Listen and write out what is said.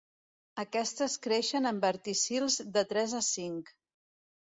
Aquestes creixen en verticils de tres a cinc.